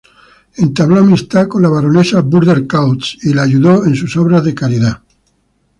Entabló amistad con la baronesa Burdett-Coutts y la ayudó en sus obras de caridad.